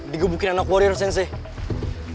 dibukin anak warrior sensei